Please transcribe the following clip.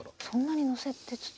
そんなにのせて。